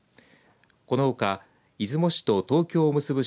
このほか出雲市と東京を結ぶ